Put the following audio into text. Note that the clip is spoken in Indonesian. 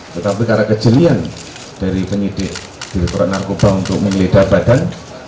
tetapi karena kejelian dari penyidik direkturat narkoba untuk menggeledah badan